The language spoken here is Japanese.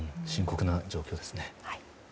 深刻な状況ですね。